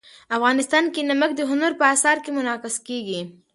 افغانستان کې نمک د هنر په اثار کې منعکس کېږي.